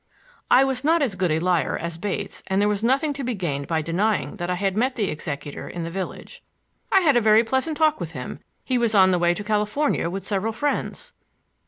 I was not as good a liar as Bates; and there was nothing to be gained by denying that I had met the executor in the village. "I had a very pleasant talk with him. He was on the way to California with several friends."